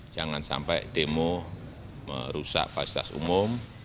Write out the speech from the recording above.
jangan sampai demo merusak fasilitas umum